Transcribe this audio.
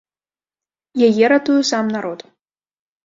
Яе ратуе сам народ.